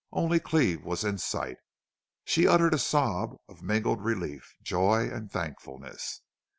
Only Cleve was in sight. She uttered a sob of mingled relief, joy, and thankfulness.